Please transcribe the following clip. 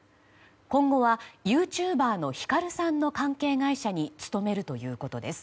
今後は、ユーチューバーのヒカルさんの関係会社に勤めるということです。